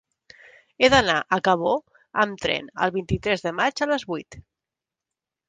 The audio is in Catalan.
He d'anar a Cabó amb tren el vint-i-tres de maig a les vuit.